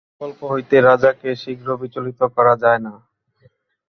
তিনি জানেন, সংকল্প হইতে রাজাকে শীঘ্র বিচলিত করা যায় না।